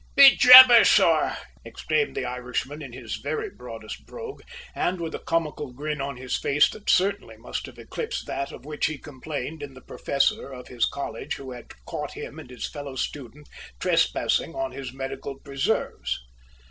"Be jabers, sor!" exclaimed the Irishman in his very broadest brogue and with a comical grin on his face that certainly must have eclipsed that of which he complained in the professor of his college who had caught him and his fellow student trespassing on his medical preserves.